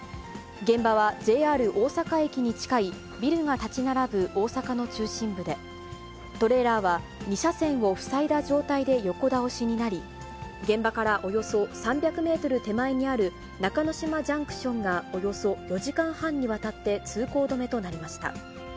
現場はＪＲ大阪駅に近い、ビルが建ち並ぶ大阪の中心部で、トレーラーは２車線を塞いだ状態で横倒しになり、現場からおよそ３００メートル手前にある中之島ジャンクションがおよそ４時間半にわたって通行止めとなりました。